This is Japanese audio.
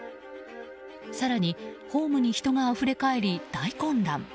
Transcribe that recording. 更に、ホームに人があふれかえり大混乱。